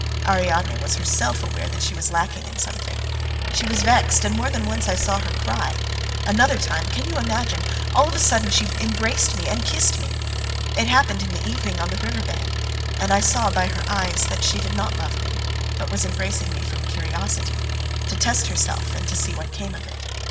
Ariadne was herself aware that she was lacking in something. She was vexed and more than once I saw her cry. Another time can you imagine it? all of a sudden she embraced me and kissed me. It happened in the evening on the river bank, and I saw by her eyes that she did not love me, but was embracing me from curiosity, to test herself and to see what came of it.